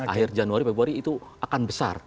akhir januari februari itu akan besar